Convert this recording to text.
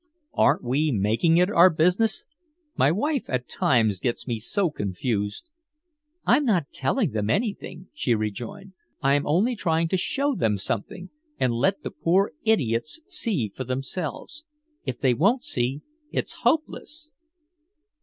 "Aren't we making it our business?" My wife at times gets me so confused. "I'm not telling them anything," she rejoined. "I'm only trying to show them something and let the poor idiots see for themselves. If they won't see, it's hopeless."